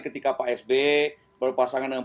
ketika pak sb berpasangan dengan